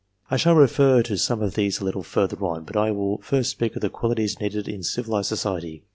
I shall refer to some of these a little further on, but I will first speak of the qualities needed in civilized society.